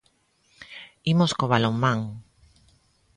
Imos co balonmán.